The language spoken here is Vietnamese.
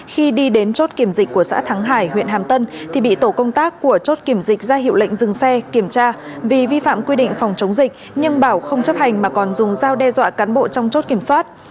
khi đi đến chốt kiểm dịch của xã thắng hải huyện hàm tân thì bị tổ công tác của chốt kiểm dịch ra hiệu lệnh dừng xe kiểm tra vì vi phạm quy định phòng chống dịch nhưng bảo không chấp hành mà còn dùng dao đe dọa cán bộ trong chốt kiểm soát